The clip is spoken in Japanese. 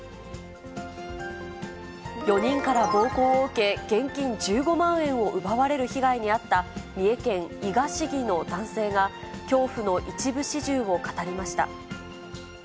４人から暴行を受け、現金１５万円を奪われる被害に遭った、三重県伊賀市議の男性が、恐怖の一部始終を語りました。